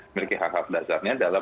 memiliki hak hak dasarnya dalam